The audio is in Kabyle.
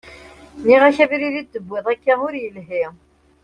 Nniɣ-ak abrid i d-tuwiḍ akka ur yelhi.